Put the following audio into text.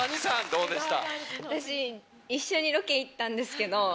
どうでした？